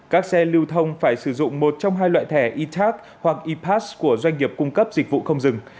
các xe lưu thông phải sử dụng một trong hai loại thẻ etac hoặc epass của doanh nghiệp cung cấp dịch vụ không dừng